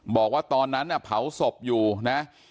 บอกว่าตอนนั้นน่ะเผาศพอยู่นะ